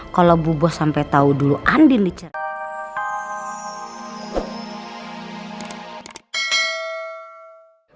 kalo bu bos sampe tau dulu andin diceritakan